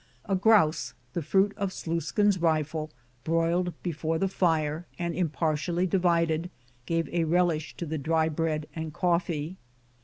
A grouse, the fruit of Slu iskin's rifle, broiled before the fire, and impartially divided gave a relish to the dry bread and coffee.